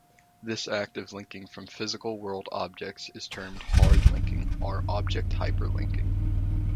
This act of linking from physical world objects is termed hardlinking or object hyperlinking.